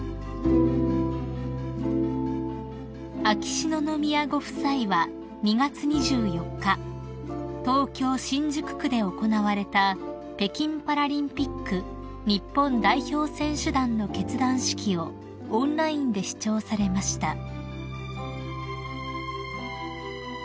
［秋篠宮ご夫妻は２月２４日東京新宿区で行われた北京パラリンピック日本代表選手団の結団式をオンラインで視聴されました］